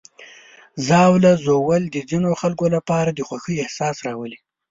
ژاوله ژوول د ځینو خلکو لپاره د خوښۍ احساس راولي.